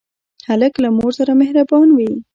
هلک له مور سره مهربان وي.